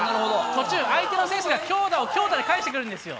途中、相手の選手が強打を強打で返してくるんですよ。